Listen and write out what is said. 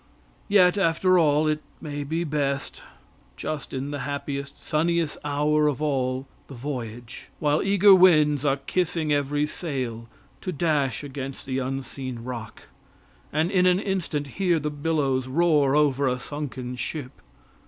Yet, after all, it may be best, just in the happiest, sunniest hour of all the voyage, while eager winds are kissing every sail, to dash against the unseen rock, and in an instant hear the billows roar over a sunken ship.